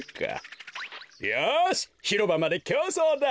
よしひろばまできょうそうだ！